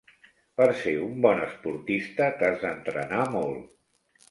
Per ser un bon esportista t'has d'entrenar molt.